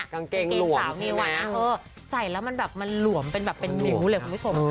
กางเกงหลวมใส่แล้วมันหลวมเป็นนิ้วเลย